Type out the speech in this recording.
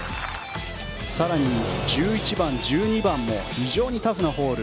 更に、１１番、１２番も非常にタフなホール。